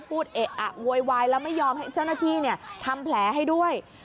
เอะอะโวยวายแล้วไม่ยอมให้เจ้าหน้าที่ทำแผลให้ด้วย